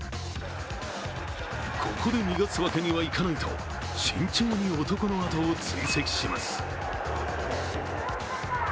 ここで逃すわけにはいかないと慎重に男のあとを追跡します。